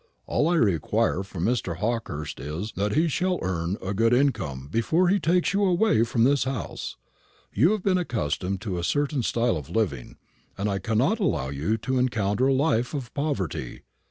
All I require from Mr. Hawkehurst is, that he shall earn a good income before he takes you away from this house. You have been accustomed to a certain style of living, and I cannot allow you to encounter a life of poverty."